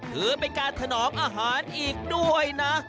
ถือเป็นการถนอมอาหารอีกด้วยนะ